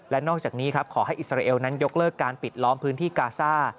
และนอกจากนี้ครับขอให้อิสราเอลนั้นยกเลิกการปิดล้อมพื้นที่กาซ่า